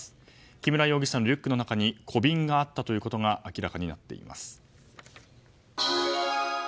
木村容疑者のリュックの中に小瓶があったということが明らかになっています。